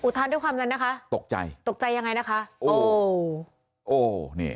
อุทานด้วยความจรรย์นะคะตกใจตกใจยังไงนะคะโอ้วโอ้วเนี่ย